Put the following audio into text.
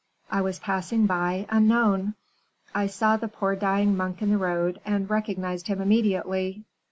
I was passing by, unknown; I saw the poor dying monk in the road, and recognized him immediately.